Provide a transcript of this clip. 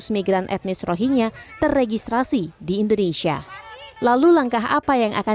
seribu lima ratus migran etnis rohingya terregistrasi di indonesia lalu langkah apa yang akan